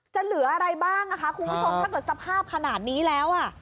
จะเหลืออะไรบ้างเพื่อนคุณคุณชมถ้าสภาพขนาดนี้แล้ว